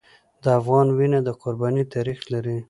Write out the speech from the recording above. د افغان وینه د قربانۍ تاریخ لري.